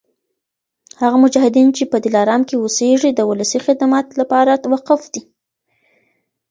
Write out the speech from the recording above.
هغه مجاهدین چي په دلارام کي اوسیږي د ولسي خدمت لپاره وقف دي